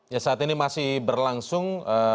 ya saat ini masih berlangsung